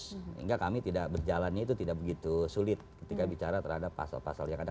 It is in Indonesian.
sehingga kami tidak berjalannya itu tidak begitu sulit ketika bicara terhadap pasal pasal yang ada